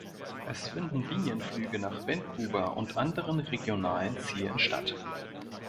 Es finden Linienflüge nach Vancouver und anderen regionalen Zielen statt.